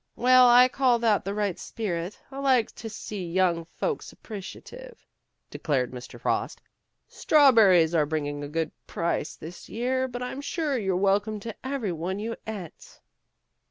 Well, I call that the right spirit. I like to see young folks appreciative," declared Mr. Frost. "Strawberries are bring ing a good price this year, but I'm sure you're welcome to every one you et."